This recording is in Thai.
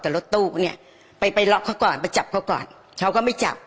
แต่รถตู้เนี่ยไปไปล็อกเขาก่อนไปจับเขาก่อนเขาก็ไม่จับ